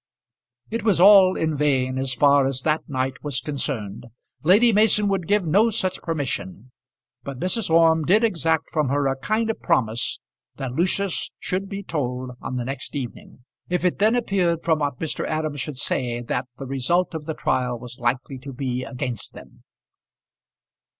It was all in vain as far as that night was concerned. Lady Mason would give no such permission. But Mrs. Orme did exact from her a kind of promise that Lucius should be told on the next evening, if it then appeared, from what Mr. Aram should say, that the result of the trial was likely to be against them.